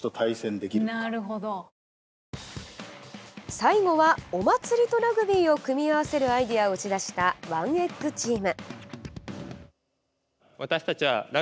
最後はお祭りとラグビーを組み合わせるアイデアを打ち出したＯＮＥＥｇｇチーム。